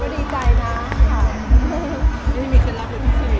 ครับมีความครับ